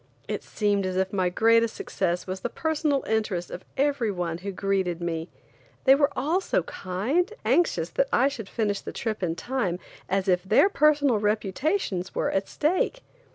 It seemed as if my greatest success was the personal interest of every one who greeted me. They were all so kind and as anxious that I should finish the trip in time as if their personal reputations were at stake.